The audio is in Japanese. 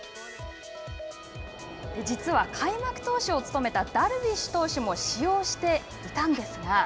実は開幕投手を務めたダルビッシュ投手も使用していたんですが。